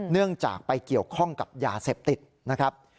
เนื่องจากไปเกี่ยวข้องกับยาเสพติดนะครับ